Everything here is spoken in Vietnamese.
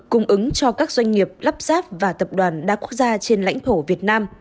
cung ứng cho các doanh nghiệp lắp ráp và tập đoàn đa quốc gia trên lãnh thổ việt nam